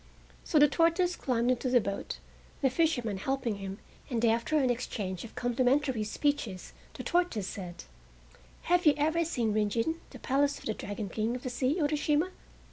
So the tortoise climbed into the boat, the fisherman helping him, and after an exchange of complimentary speeches the tortoise said: "Have you ever seen Rin Gin, the Palace of the Dragon King of the Sea, Urashima?"